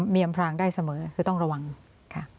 มีอำพรางได้เสมอคือต้องระวังค่ะ